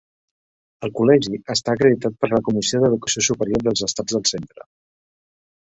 El Col·legi està acreditat per la Comissió d'Educació Superior dels Estats del Centre.